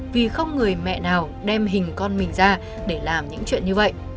vì không người mẹ nào đem hình con mình ra để làm những chuyện như vậy